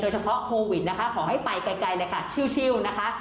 เฉพาะโควิดนะคะขอให้ไปไกลเลยค่ะชิลนะคะ